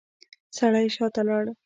سړی شاته لاړ.